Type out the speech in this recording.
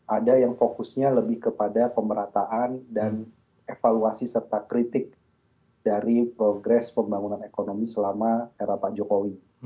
ada yang fokusnya lebih kepada pemerataan dan evaluasi serta kritik dari progres pembangunan ekonomi selama era pak jokowi